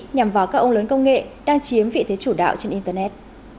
nhằm vào các ông lớn công nghệ đang chiếm vị thế chủ đạo trên internet